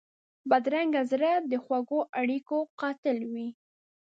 بدرنګه زړه د خوږو اړیکو قاتل وي